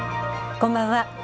こんばんは。